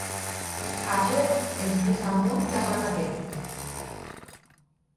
Àger és més amunt de Balaguer.